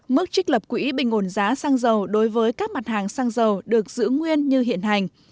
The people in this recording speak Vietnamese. mức trích lập quỹ bình ổn giá xăng dầu đối với các mặt hàng xăng dầu được giữ nguyên như hiện hành